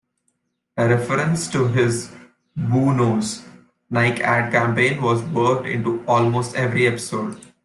A reference to his "Bo Knows" Nike ad-campaign was worked into almost every episode.